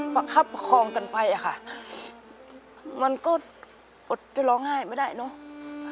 ประคับคองกันไปอะค่ะมันก็อดจะร้องไห้ไม่ได้เนอะ